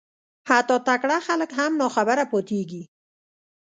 حتی تکړه خلک هم ناخبره پاتېږي